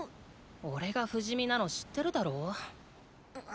おれが不死身なの知ってるだろ。